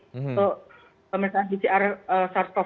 untuk pemeriksaan pcr sars cov